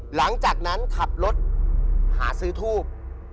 หลังจากนั้นขับรถหาซื้อทูบ